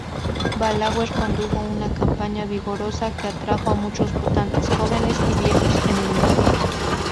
Balaguer condujo una campaña vigorosa que atrajo a muchos votantes jóvenes y viejos enemigos.